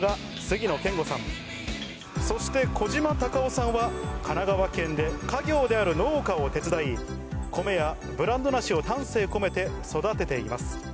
そして小島孝雄さんは神奈川県で家業である農家を手伝い米やブランド梨を丹精込めて育てています。